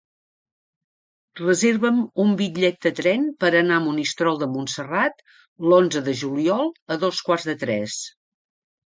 Reserva'm un bitllet de tren per anar a Monistrol de Montserrat l'onze de juliol a dos quarts de tres.